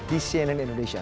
di cnn indonesia